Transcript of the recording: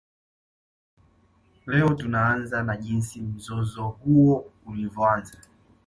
Leo tunaanza na jinsi mzozo huo ulivyoanza